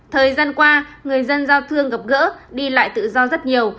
thời gian qua người dân giao thương gặp gỡ đi lại tự do rất nhiều